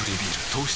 糖質